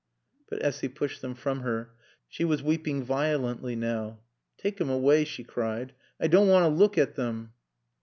But Essy pushed them from her. She was weeping violently now. "Taake 'em away!" she cried. "I doan' want t' look at 'em."